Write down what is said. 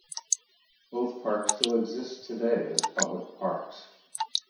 Both parks still exist today as public parks.